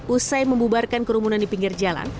usai membubarkan kerumunan di pinggir jalan